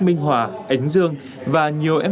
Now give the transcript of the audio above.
minh hòa ánh dương và nhiều em